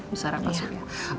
usara masuk ya